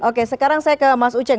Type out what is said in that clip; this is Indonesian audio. oke sekarang saya ke mas uceng